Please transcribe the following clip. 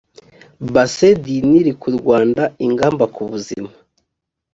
bassin du nil ku rwanda ingamba kubuzima